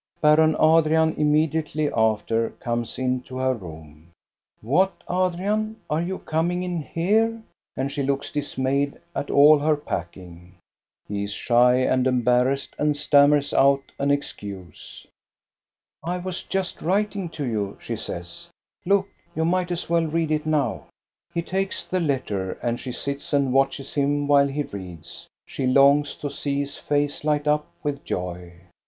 Baron Adrian immediately after comes into her room. "What, Adrian, are you coming in here?" and she looks dismayed at all her packing. He is shy and embarrassed and stammers out an excuse. '* I was just writing to you," she says. " Look, you might as well read it now." He takes the letter and she sits and watches him while he reads. She longs to see his face light up with joy.